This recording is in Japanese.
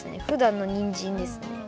ふだんのにんじんですね。